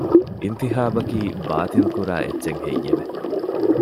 އިންތިޚާބަކީ ބާތިލްކުރާ އެއްޗެއް ހެއްޔެވެ؟